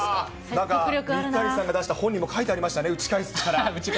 なんか、水谷さんが出した本にも書いてありましたね、打ち返す力。